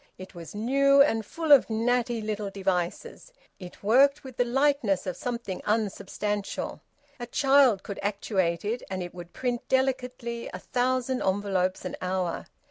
It was new, and full of natty little devices. It worked with the lightness of something unsubstantial. A child could actuate it, and it would print delicately a thousand envelopes an hour.